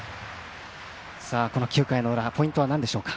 この９回の裏、ポイントはなんでしょうか。